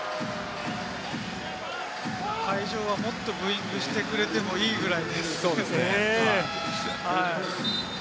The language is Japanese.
会場はもっとブーイングしてくれてもいいぐらいですね。